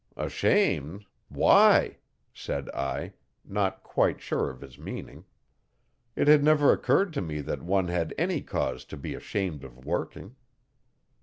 'Ashamed! Why?' said I, not quite sure of his meaning. It had never occurred to me that one had any cause to be ashamed of working.